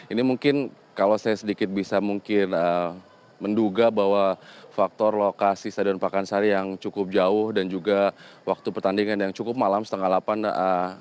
ini mungkin kalau saya sedikit bisa mungkin menduga bahwa faktor lokasi stadion pakansari yang cukup jauh dan juga waktu pertandingan yang cukup malam setengah delapan